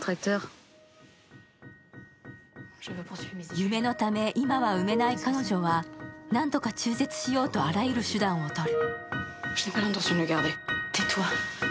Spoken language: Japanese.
夢のため今は産めない彼女は何とか中絶しようとあらゆる手段を取る。